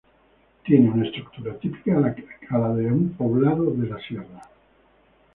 Tiene una estructura típica a la de un poblado de la sierra.